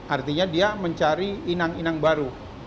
artinya dia mencari inang inang baru